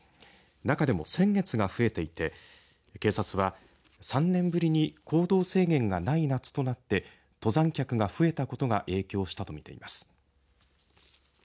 中でも、先月が増えていて警察は３年ぶりに行動制限がない夏となって登山客が増えたことが影響したと見ています。